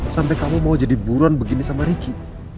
sampai kamu mau jadi buruan begini sama riki